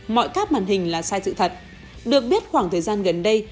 mọi các màn hình là sai sự thật được biết khoảng thời gian gần đây